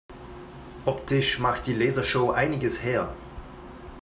Optisch macht die Lasershow einiges her.